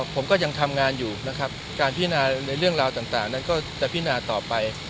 ผมก็ยังทำงานอยู่นะครับการพินาในเรื่องราวต่างนั้นก็จะพินาต่อไป